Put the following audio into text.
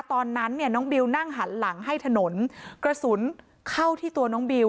ตอนนั้นเนี่ยน้องบิวนั่งหันหลังให้ถนนกระสุนเข้าที่ตัวน้องบิว